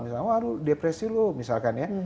misalnya depresi lo misalkan ya